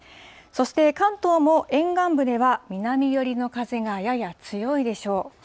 そして関東も沿岸部では南寄りの風がやや強いでしょう。